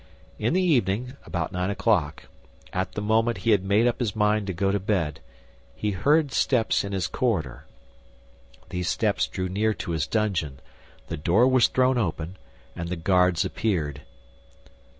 In the evening, about nine o'clock, at the moment he had made up his mind to go to bed, he heard steps in his corridor. These steps drew near to his dungeon, the door was thrown open, and the guards appeared.